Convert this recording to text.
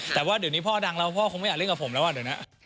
แต่ว่าเดี๋ยวนี้พ่อดังแล้วพ่อคงไม่อยากเล่นกับผมแล้วเดี๋ยวนะ